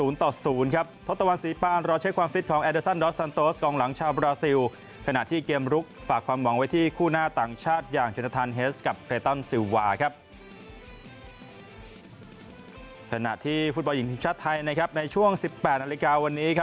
ขณะที่ฟุตบอลหญิงทีมชาติไทยในช่วง๑๘นาฬิกาวันนี้